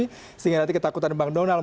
sehingga nanti ketakutan bang donald